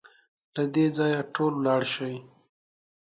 له دې ځايه ټول ولاړ شئ!